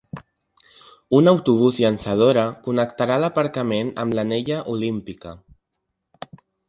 Un autobús llançadora connectarà l’aparcament amb l’anella olímpica.